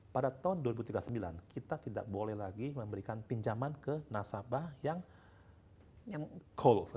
pada tahun dua ribu tiga puluh sembilan kita tidak boleh lagi memberikan pinjaman ke nasabah yang cold